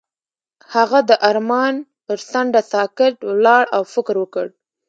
هغه د آرمان پر څنډه ساکت ولاړ او فکر وکړ.